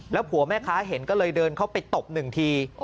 ผัวแม่ค้าเห็นก็เลยเดินเข้าไปตบหนึ่งที